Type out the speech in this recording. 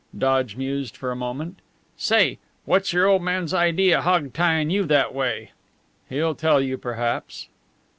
Dodge mused for a moment. "Say, what's your old man's idea hog tyin' you that a way?" "He'll tell you perhaps."